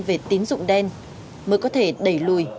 về tín dụng đen mới có thể đẩy lùi